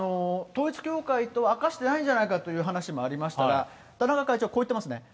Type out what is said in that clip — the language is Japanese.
統一教会と明かしてないんじゃないかという話もありましたが、田中会長、こう言ってますね。